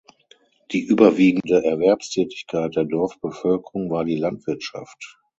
Die überwiegende Erwerbstätigkeit der Dorfbevölkerung war die Landwirtschaft.